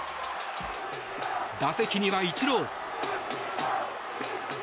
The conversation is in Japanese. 打席にはイチロー。